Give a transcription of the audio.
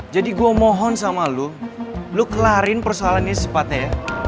jadi gue mohon sama lo lo kelarin persalahannya sempat ya